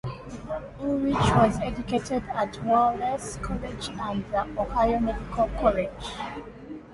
Ulrich was educated at Wallace College and the Ohio Medical College.